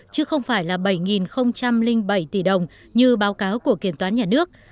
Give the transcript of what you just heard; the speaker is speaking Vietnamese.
chứ không phải là bảy bảy tỷ đồng như báo cáo của kiểm toán nhà nước